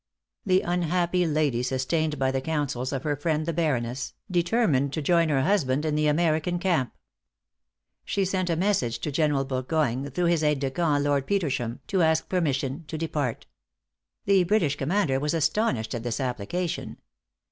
The unhappy lady, sustained by the counsels of her friend the Baroness, determined to join her husband in the American camp. She sent a message to General Burgoyne, through his aid de camp, Lord Petersham, to ask permission to depart. The British commander was astonished at this application.